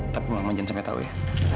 tapi mama jam sampai tau ya